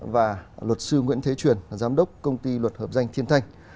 và luật sư nguyễn thế truyền là giám đốc công ty luật hợp danh thiên thanh